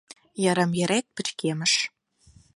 Йырым-йырет пычкемыш.